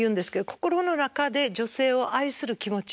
心の中で女性を愛する気持ち。